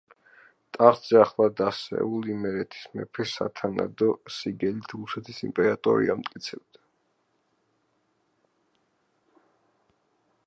ტახტზე ახლად ასეულ იმერეთის მეფეს სათანადო სიგელით რუსეთის იმპერატორი ამტკიცებდა.